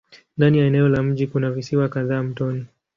Ndani ya eneo la mji kuna visiwa kadhaa mtoni.